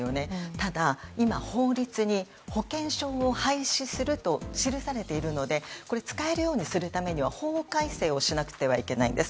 ただ、今法律に保険証を廃止すると記されているのでこれを使えるようにするには法改正をしなければいけないんです。